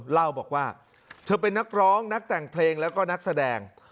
เล่าบอกว่าเธอเป็นนักร้องนักแต่งเพลงแล้วก็นักแสดง